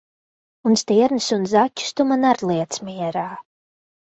Un stirnas un zaķus tu man ar liec mierā!